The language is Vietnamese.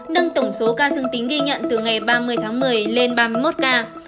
nâng tổng số ca dương tính ghi nhận từ ngày ba mươi tháng một mươi lên ba mươi một ca